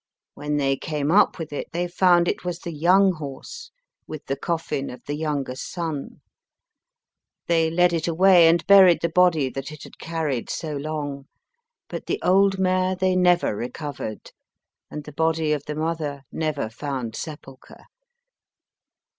When they came up with it they found it was the young horse, with the coffin of the younger son. They led it away and buried the body that it had carried so long, but the old mare they never recovered, and the body of the mother never found sepulchre.